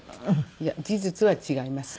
いや事実は違います。